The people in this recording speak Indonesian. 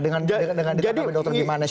dengan ditentang dokter gimana sih